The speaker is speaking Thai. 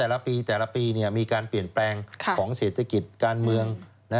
แต่ละปีแต่ละปีมีการเปลี่ยนแปลงของเศรษฐกิจการเมือง